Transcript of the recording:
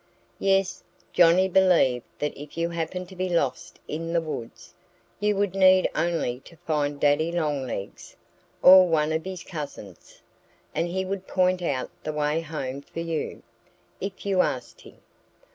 Yes! Johnnie believed that if you happened to be lost in the woods, you would need only to find Daddy Longlegs or one of his cousins and he would point out the way home for you, if you asked him.